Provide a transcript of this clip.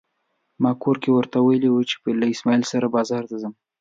ما کور کې ورته ويلي دي چې له اسماعيل سره بازار ته ځم.